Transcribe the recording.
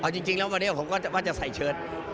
จริงแล้ววันนี้ผมก็จะใส่เชิด